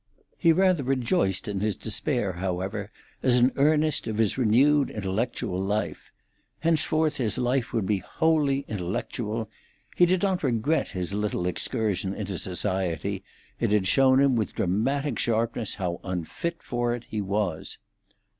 He rather rejoiced in his despair, however, as an earnest of his renewed intellectual life. Henceforth his life would be wholly intellectual. He did not regret his little excursion into society; it had shown him with dramatic sharpness how unfit for it he was.